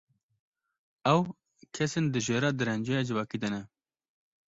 Ew, kesên di jêra derenceya civakî de ne.